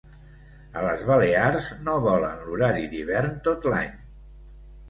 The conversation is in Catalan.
A les Balears no volen l'horari d'hivern tot l'any